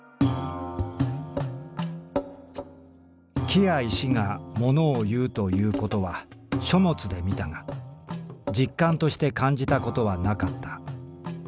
「木や石がものを言うということは書物でみたが実感として感じたことはなかった。